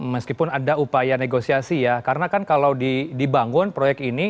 meskipun ada upaya negosiasi ya karena kan kalau dibangun proyek ini